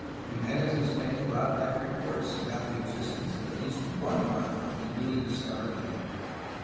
Jim^nez^s men brought back reports about the existence of at least one marvel in the newly discovered land.